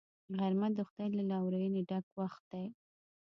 غرمه د خدای له لورینې ډک وخت دی